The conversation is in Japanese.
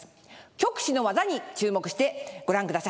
曲師の技に注目してご覧ください。